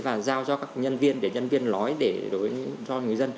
và giao cho các nhân viên để nhân viên lói để đối với cho người dân